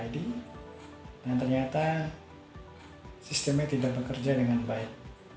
dan ternyata sistemnya tidak bekerja dengan baik